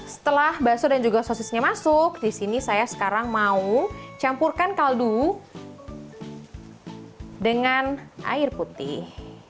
setelah bakso dan juga sosisnya masuk disini saya sekarang mau campurkan kaldu dengan air putih